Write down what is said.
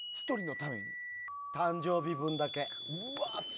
誕生日分だけ。